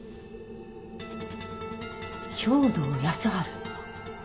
「兵働耕春」。